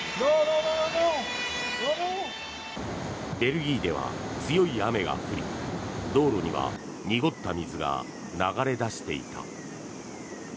ベルギーでは強い雨が降り道路には濁った水が流れ出していた。